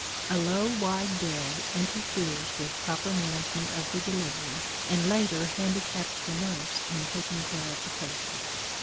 A low, wide bed interferes with proper management of the delivery and later handicaps the nurse in taking care of the patient.